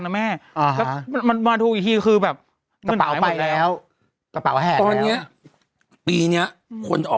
อ๋อเหรอ